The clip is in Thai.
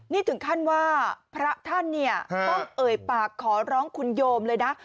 นี่ถึงขั้นว่าพระท่านเนี่ยต้องเอ่ยปากขอร้องคุณโยมเลยนะ